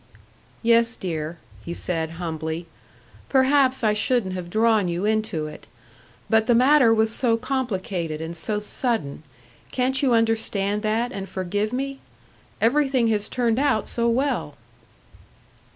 "Yes, dear," he said, humbly. "Perhaps I shouldn't have drawn you into it. But the matter was so complicated and so sudden. Can't you understand that, and forgive me? Everything has turned out so well!"